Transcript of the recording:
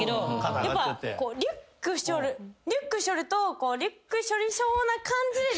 やっぱリュックしょるリュックしょるとリュックしょりそうな感じで。